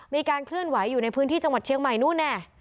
มีการเคลื่อนไหวอยู่ในพื้นที่จังหวัดเชียงใหม่นู่นแน่